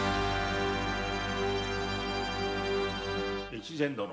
越前殿。